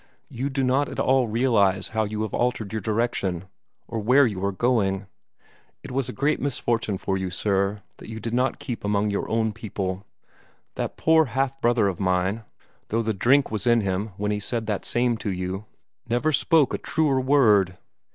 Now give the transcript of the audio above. You do not at all realize how you have altered your direction, or where you are going. It was a great misfortune for you, sir, that you did not keep among your own people. That poor half brother of mine, though the drink was in him when he said that same to you, never spoke a truer word.